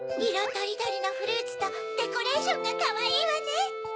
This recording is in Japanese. とりどりのフルーツとデコレーションがかわいいわね。